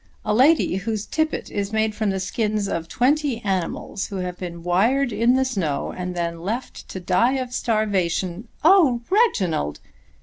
A lady whose tippet is made from the skins of twenty animals who have been wired in the snow and then left to die of starvation " "Oh, Reginald!"